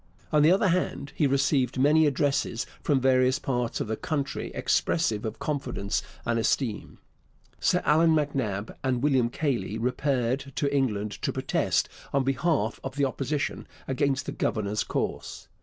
On the other hand, he received many addresses from various parts of the country expressive of confidence and esteem. Sir Allan MacNab and William Cayley repaired to England to protest, on behalf of the Opposition, against the governor's course.